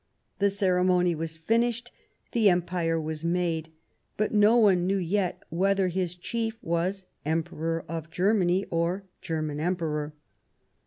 The ceremony was finished ; the Empire was made, but no one knew yet whether his chief was Emperor of Germany or German Emperor.